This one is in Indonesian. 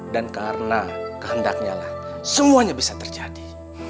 dan karena kehendaknya lah semuanya bisa terjadi